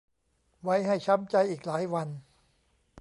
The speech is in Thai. ไว้ให้ช้ำใจอีกหลายวัน